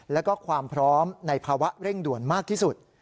แล้วก็ความพร้อมในภาวะเร่งด่วนมากที่สุด